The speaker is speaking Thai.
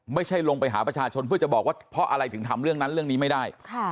ไม่ใช่ลงไปหาประชาชนเพื่อจะบอกว่าเพราะอะไรถึงทำเรื่องนั้นเรื่องนี้ไม่ได้